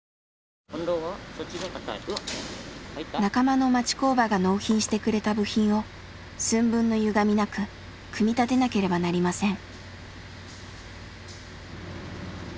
仲間の町工場が納品してくれた部品を寸分のゆがみなく組み立てなければなりません。